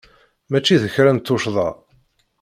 Mačči d kra n tuccḍa.